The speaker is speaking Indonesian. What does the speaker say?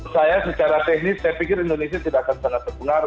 saya secara teknis saya pikir indonesia tidak akan sangat terpengaruh